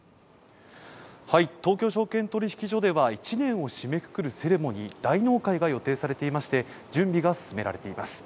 東京証券取引所では１年を締めくくるセレモニー、大納会が予定されていまして準備が進められています。